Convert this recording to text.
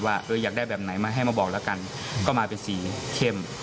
ว่าอยากได้แบบไหนมาให้มาบอกแล้วกันก็มาเป็นสีเข้ม